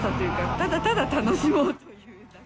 ただただ楽しもうという。